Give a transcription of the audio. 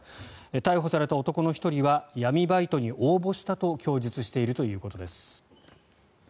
逮捕された男の１人は闇バイトに応募したと供述しているということです。